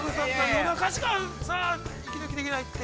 夜中しかさあ息抜きできないって。